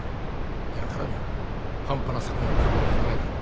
やるからには半端な作品を書くわけいかないだろ。